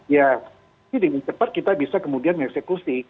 ya jadi cepat kita bisa kemudian mengeksekusi